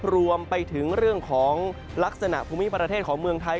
รวมไปถึงเรื่องของลักษณะภูมิประเทศของเมืองไทย